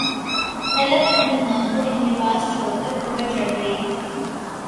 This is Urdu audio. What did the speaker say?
طلعت اپنی ماں کو ان کے پاس چھوڑ کر اوپر چڑھ گئی